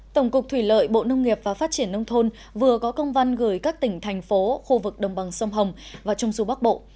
tổng cục thủy lợi bộ nông nghiệp và phát triển nông thôn vừa có công văn gửi các tỉnh thành phố khu vực đồng bằng sông hồng và trung du bắc bộ